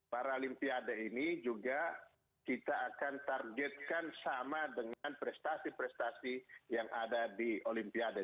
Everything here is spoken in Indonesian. paralimpiade ini juga kita akan targetkan sama dengan prestasi prestasi yang ada di olimpiade